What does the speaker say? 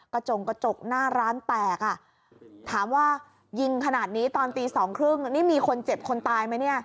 กระจงกระจกหน้าร้านแตกถามว่ายิงขนาดนี้ตอนตี๒๓๐นี่มีคนเจ็บคนตายไหม